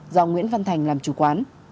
do nguyễn văn thành làm chủ quán